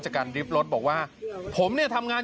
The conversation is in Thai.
การริบรถบอกว่าผมเนี่ยทำงาน